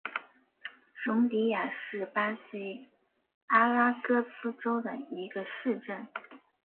容迪亚是巴西阿拉戈斯州的一个市镇。